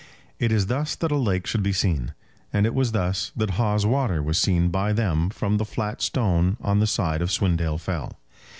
It is thus that a lake should be seen, and it was thus that Hawes Water was seen by them from the flat stone on the side of Swindale Fell.